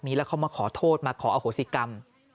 แล้วเขามาขอโทษมาขออโหสิกรรม